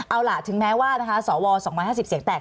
เอาล่ะถึงแม้ว่านะคะสว๒๕๐เสียงแตก